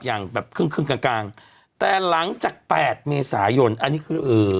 อย่างแบบครึ่งครึ่งกลางกลางแต่หลังจากแปดเมษายนอันนี้คือเอ่อ